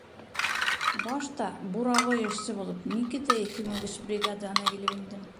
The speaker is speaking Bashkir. — Башта, буровой эшсе булып, Никита Ефимович бригадаһына килеп индем.